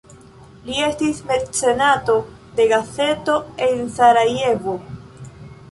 Li estis mecenato de gazeto en Sarajevo.